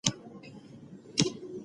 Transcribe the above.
څېړونکي وايي اعتدال د روغتیا کلید دی.